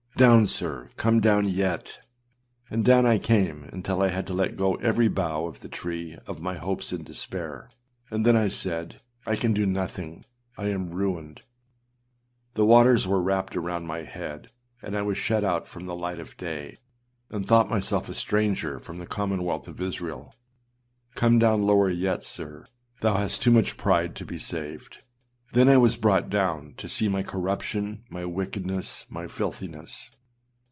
âDown, sir! come down, yet.â And down I came until I had to let go every bough of the tree of my hopes in despair: and then I said, âI can do nothing; I am ruined.â The waters were wrapped round my head, and I was shut out from the light of day, and thought myself a stranger from the commonwealth of Israel. âCome down lower yet, sir! thou hast too much pride to be saved. Then I was brought down to see my corruption, my wickedness, my filthiness.